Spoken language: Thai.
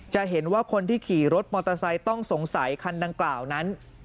จะเห็นว่าคนที่ขี่รถมอเตอร์ไซค์ต้องสงสัยคันดังกล่าวนั้น